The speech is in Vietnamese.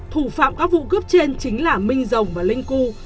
thủ phạm các vụ cướp trên chính là minh rồng và linh cu